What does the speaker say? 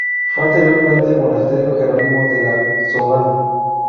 Fue anteriormente Monasterio Jerónimo de La Solana.